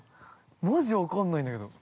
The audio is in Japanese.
マジ分かんないんだけど。